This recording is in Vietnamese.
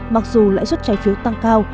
mặc dù lãi suất trái phiếu tăng cao